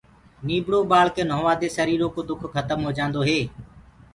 نيٚڀڙو اُٻآݪڪي نهووآدي سريٚرو ڪو دُک کتم هو جآنٚدو هي